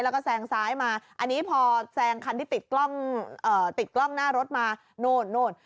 แล้วก็แซงซ้ายมาอันนี้พอแซ่งคันที่ติดกรอบหน้ารถมาโน่น